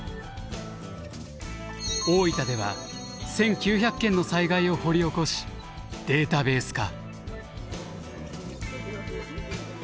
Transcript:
大分では１，９００件の災害を掘り起こしデータベース化。